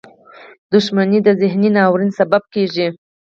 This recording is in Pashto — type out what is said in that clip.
• دښمني د ذهني ناورین سبب کېږي.